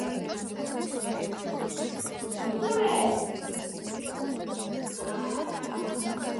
მსოფლიოს ერთ-ერთი უდიდესი მყინვარი.